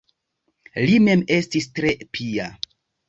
Li mem estis tre pia.